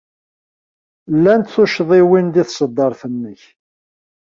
Llant tuccḍiwin deg tṣeddart-nnek.